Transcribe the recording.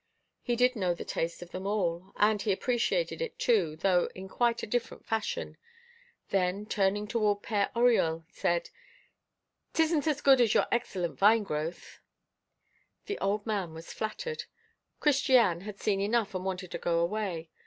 He did know the taste of them all, and he appreciated it, too, though in quite a different fashion. Then, turning toward Père Oriol said: "'Tisn't as good as your excellent vine growth." The old man was flattered. Christiane had seen enough, and wanted to go away.